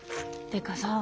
てかさ